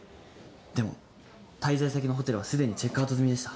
でも滞在先のホテルは既にチェックアウト済みでした。